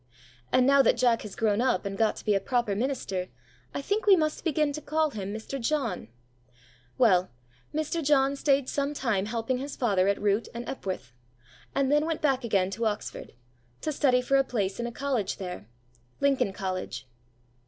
And now that Jack has grown up and got to be a proper minister, I think we must begin to call him Mr. John. Well, Mr. John stayed some time helping his father at Wroote and Epworth, and then went back again to Oxford, to study for a place in a college there Lincoln College.